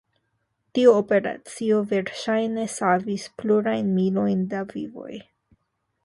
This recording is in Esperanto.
Tio operacio verŝajne savis plurajn milojn da vivoj.